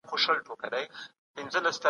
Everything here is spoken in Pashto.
د څېړني پايلي له نورو سره شریکي کړئ.